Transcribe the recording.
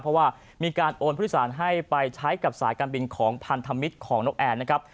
เพราะว่ามีการโอนผู้โดยสารให้ไปใช้กับสายการบินของพันธมิตรของนกแอร์นะครับ